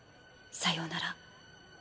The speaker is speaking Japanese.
さようなら。